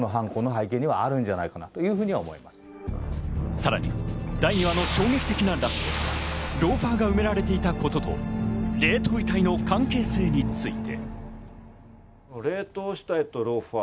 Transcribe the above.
さらに第２話の衝撃的なラスト、ローファーが埋められていたことと冷凍遺体の関係性について。